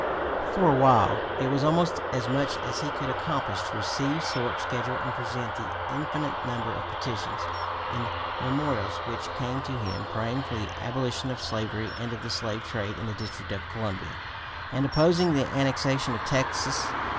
For a long while it was almost as much as he could accomplish to receive, sort, schedule, and present the infinite number of petitions and memorials which came to him praying for the abolition of slavery and of the slave trade in the District of Columbia, and opposing (p. 253) the annexation of Texas.